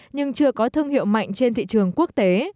nhưng chưa có thương hiệu mạnh trên thị trường quốc tế